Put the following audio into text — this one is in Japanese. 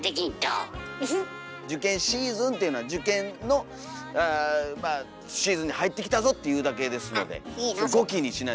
「受験シーズン」っていうのは受験のあまあシーズンに入ってきたぞっていうだけですので五季にしない。